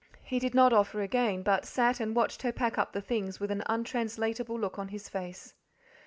He did not offer again, but sat and watched her pack up the things with an untranslatable look on his face.